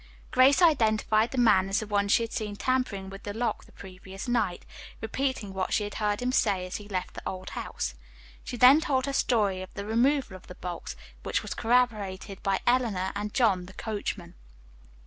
Grace identified the man as the one she had seen tampering with the lock the previous night, repeating what she had heard him say as he left the old house. She then told her story of the removal of the box, which was corroborated by Eleanor and John, the coachman.